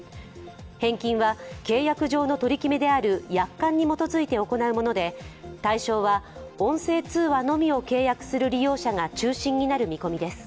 返金は契約上の取り決めである約款に基づいて行うもので対象は音声通話のみを契約する利用者が中心になる見込みです。